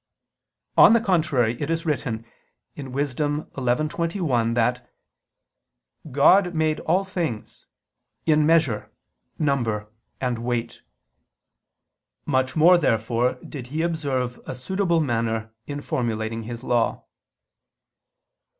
On the contrary, It is written (Wis. 11:21) that "God made all things, in measure, number and weight." Much more therefore did He observe a suitable manner in formulating His Law.